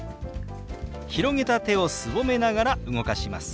広げた手をすぼめながら動かします。